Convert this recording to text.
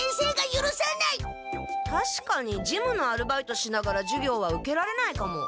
たしかに事務のアルバイトしながら授業は受けられないかも。